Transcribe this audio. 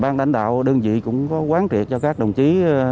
ban lãnh đạo đơn vị cũng có quán triệt cho các đồng chí